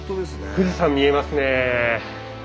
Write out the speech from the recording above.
富士山見えますね。